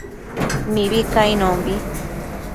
Mibi cainonbi